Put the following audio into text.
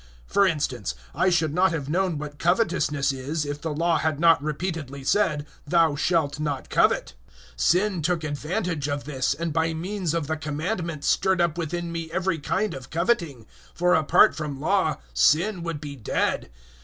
For instance, I should not have known what covetousness is, if the Law had not repeatedly said, "Thou shalt not covet." 007:008 Sin took advantage of this, and by means of the Commandment stirred up within me every kind of coveting; for apart from Law sin would be dead.